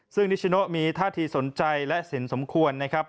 ซึ่งนิชชิโนะมีท่าที่สนใจและสินสมควร